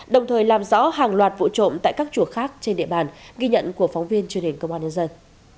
đồng thời làm rõ hàng loạt vụ trộm tại các chùa khác trên địa bàn ghi nhận của phóng viên truyền hình công an nhân dân